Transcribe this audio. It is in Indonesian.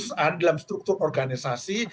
staff khusus dalam struktur organisasi